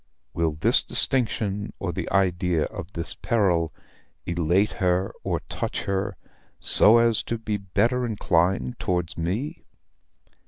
"Will this distinction or the idea of this peril elate her or touch her, so as to be better inclined towards me?"